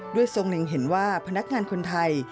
ทรงเล็งเห็นว่าพนักงานคนไทย